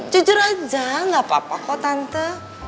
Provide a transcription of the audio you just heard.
jujur aja gak apa apa kok tante